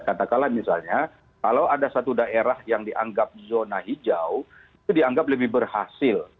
katakanlah misalnya kalau ada satu daerah yang dianggap zona hijau itu dianggap lebih berhasil